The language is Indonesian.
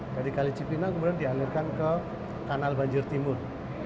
dari kali cipinang kemudian dialirkan ke kanal banjir timur